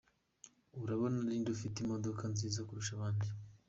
Urabona ari nde ufite imodoka nziza kurusha abandi?.